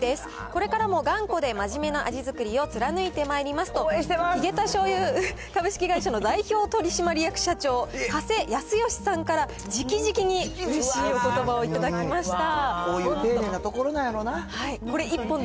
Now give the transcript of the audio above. これからも頑固で真面目な味づくりを貫いてまいりますと、ヒゲタ醤油株式会社の代表取締役社長、加瀬泰美さんからじきじきにうれしいおことばを頂きました。